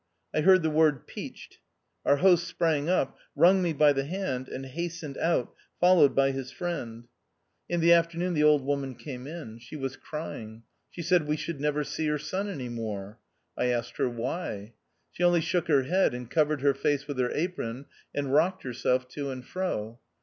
I heard the word "peached." Our host sprang up, wrung me by the hand, and hastened out followed by his friend. In 206 THE OUTCAST. the afternoon the old woman came in. She was crying. She said, " We should never see her son any more." I asked her why. She only shook her head, and covered her face with her apron, and rocked herself to and fro.